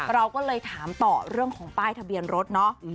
เราก็เลยถามต่อเรื่องของป้ายทะเบียนรถเนาะ